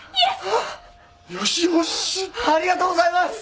ありがとうございます！